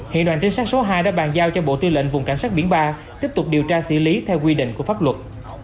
hiện đoàn trinh sát số hai đã bàn giao cho bộ tư lệnh vùng cảnh sát biển ba tiếp tục điều tra xử lý theo quy định của pháp luật